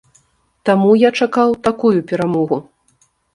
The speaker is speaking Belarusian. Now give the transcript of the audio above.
Таму я чакаў такую перамогу.